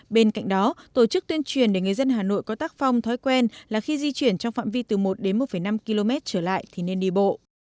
bên cạnh đó tổ chức tuyên truyền để người dân hà nội có tác phong thói quen là khi di chuyển trong phạm vi từ một đến một năm km trở lại thì nên đi bộ